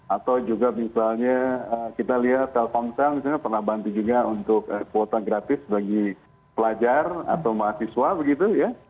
atau juga misalnya kita lihat telkomsel misalnya pernah bantu juga untuk kuota gratis bagi pelajar atau mahasiswa begitu ya